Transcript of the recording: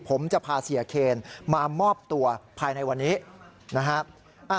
ผมจะพาเสียเคนมามอบตัวภายในวันนี้นะครับ